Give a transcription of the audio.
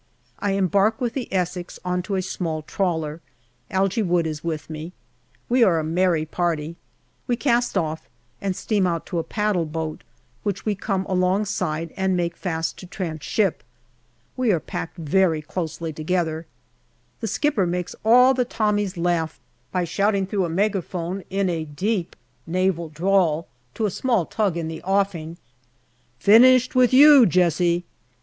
I embark with the Essex on to a small trawler. Algy Wood is with me. We are a merry party. We cast off and steam out to a paddle boat, which we come along side, and make fast to tranship. We are packed very closely together. The skipper makes all the Tommies laugh by shouting through a megaphone, in a deep Naval drawl, to a small tug in the offing, " Finished with you, Jessie